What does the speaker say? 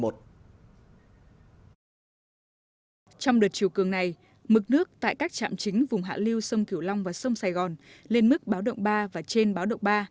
trong đợt chiều cường này mực nước tại các trạm chính vùng hạ liêu sông kiểu long và sông sài gòn lên mức báo động ba và trên báo động ba